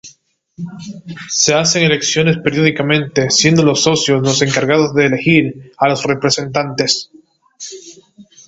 Se hacen elecciones periódicamente, siendo los socios los encargados de elegir a los representantes.